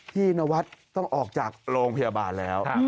นวัฒน์ต้องออกจากโรงพยาบาลแล้ว